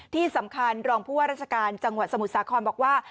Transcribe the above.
ที่สำคัญรองผู้ว่าราชการจังหวัดสมุทรสาครบอกว่า